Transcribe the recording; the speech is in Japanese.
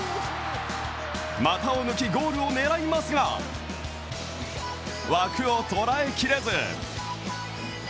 股を抜き、ゴールを狙いますが枠を捉えきれず。